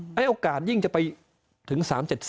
ให้โอกาสยิ่งจะไปถึง๓๗๐